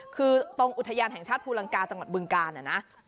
คือตรงอุทยานแห่งชาติภูลังกาจังหวัดบึงกาลนะ